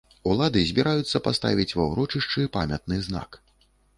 Улады збіраюцца паставіць ва ўрочышчы памятны знак.